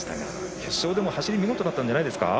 決勝でも走りは見事だったんじゃないですか。